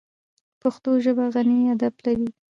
پښتو ژبه غني ادب لري.